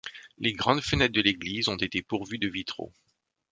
Les grandes fenêtres de l'église ont été pourvues de vitraux.